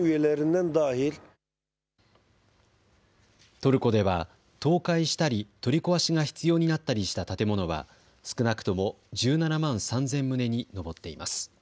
トルコでは倒壊したり取り壊しが必要になったりした建物は少なくとも１７万３０００棟に上っています。